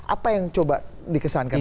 apa yang coba dikesankan tentang itu